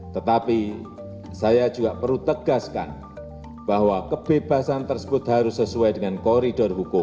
tetapi saya juga perlu tegaskan bahwa kebebasan tersebut harus sesuai dengan koridor hukum